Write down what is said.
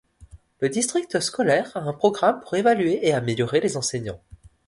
Le district scolaire a un programme pour évaluer et améliorer les enseignants.